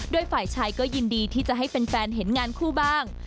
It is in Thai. โดยฝ่ายชายก็ยินดีที่จะให้แฟนเห็นงานคู่บ้าง